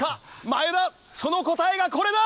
前田その答えがこれだ！